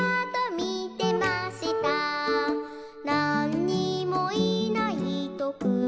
「なんにもいないとくまのこは」